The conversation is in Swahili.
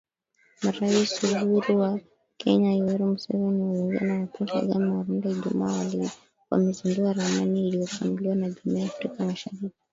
Marais Uhuru Kenyata wa Kenya, Yoweri Museveni wa Uganda, na Paul Kagame wa Rwanda Ijumaa wamezindua ramani iliyopanuliwa ya Jumuiya ya Afrika Mashariki